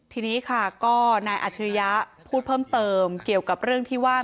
ทีนี้ค่ะก็นายอัจฉริยะพูดเพิ่มเติมเกี่ยวกับเรื่องที่ว่า